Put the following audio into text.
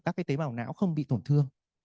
các cái tế bào não không bị tổn thương